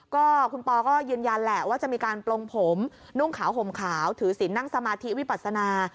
ก็คุณปอก็ยืนยันแหละว่าจะมีการปลงผมนุ่งขาวห่มขาวถือศิลป์นั่งสมาธิวิปัสนา